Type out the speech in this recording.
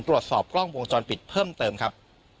ตรวจสอบกล้องวงจรปิดเพิ่มเติมครับ